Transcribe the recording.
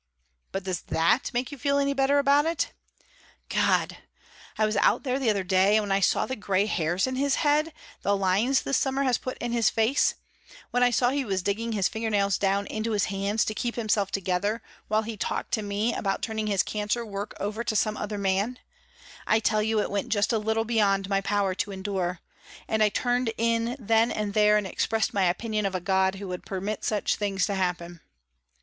But does that make you feel any better about it? God! I was out there the other day, and when I saw the grey hairs in his head, the lines this summer has put in his face, when I saw he was digging his finger nails down into his hands to keep himself together while he talked to me about turning his cancer work over to some other man I tell you it went just a little beyond my power to endure, and I turned in then and there and expressed my opinion of a God who would permit such things to happen!